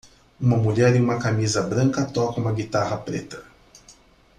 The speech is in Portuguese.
Uma mulher em uma camisa branca toca uma guitarra preta.